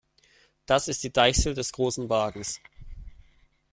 Das ist die Deichsel des Großen Wagens.